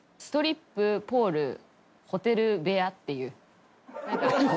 「ストリップポールホテル部屋」っていう。